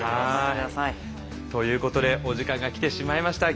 ということでお時間が来てしまいました。